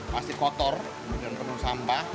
pasti kotor kemudian penuh sampah